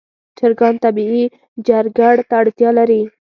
چرګان طبیعي چرګړ ته اړتیا لري.